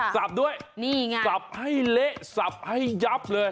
สับด้วยนี่ไงสับให้เละสับให้ยับเลย